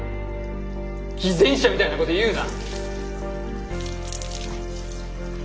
偽善者みたいなこと言うな。